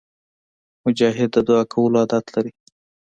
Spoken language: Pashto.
مجاهد د دعا کولو عادت لري.